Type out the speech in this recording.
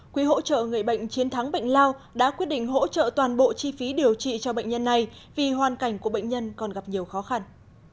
quỹ hỗ trợ người bệnh chiến thắng bệnh lào đã quyết định hỗ trợ toàn bộ chi phí điều trị cho bệnh nhân này vì hoàn cảnh của bệnh nhân còn gặp nhiều khó khăn